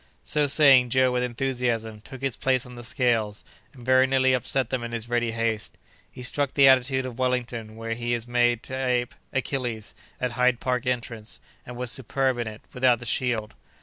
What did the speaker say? So saying, Joe, with enthusiasm, took his place on the scales, and very nearly upset them in his ready haste. He struck the attitude of Wellington where he is made to ape Achilles, at Hyde Park entrance, and was superb in it, without the shield.